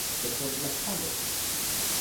Techontlajpalo.